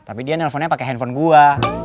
tapi dia nelfonnya pakai handphone gua